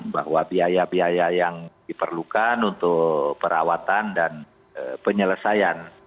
bahwa biaya biaya yang diperlukan untuk perawatan dan penyelesaian